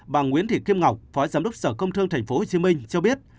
bà nguyễn thị kim ngọc phó giám đốc sở công thương tp hcm cho biết